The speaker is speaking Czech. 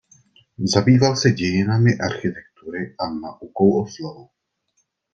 Zabýval se dějinami architektury a naukou o slohu.